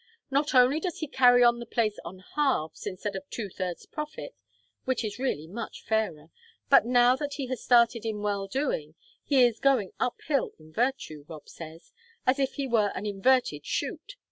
"Not only does he carry on the place on halves, instead of two thirds profit which is really much fairer but, now that he has started in well doing, he is going uphill in virtue, Rob says, as if he were on an inverted chute.